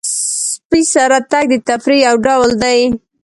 سپي سره تګ د تفریح یو ډول دی.